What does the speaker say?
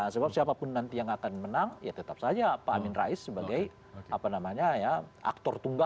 sebab siapapun nanti yang akan menang ya tetap saja pak amin rais sebagai aktor tunggal